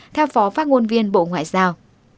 theo phó phát ngôn viên bộ ngoại giao